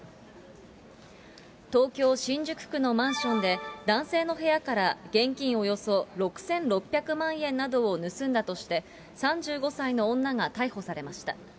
東京・新宿区のマンションで、男性の部屋から現金およそ６６００万円などを盗んだとして、３５歳の女が逮捕されました。